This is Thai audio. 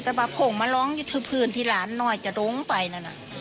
แต่ว่าผงมาร้องอยู่ที่พื้นที่หลานหน่อยจะด้งไปนั่นน่ะ